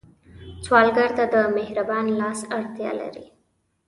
سوالګر ته د مهربان لاس اړتیا لري